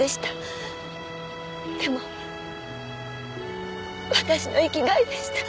でも私の生きがいでした。